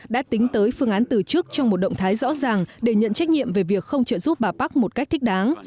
đã tính tới phương án tử trức trong một động thái rõ ràng để nhận trách nhiệm về việc không trợ giúp bà park một cách thích đáng